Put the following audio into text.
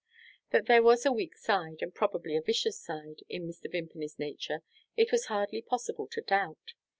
That there was a weak side, and probably a vicious side, in Mr. Vimpany's nature it was hardly possible to doubt.